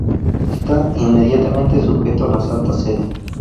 Está inmediatamente sujeto a la Santa Sede.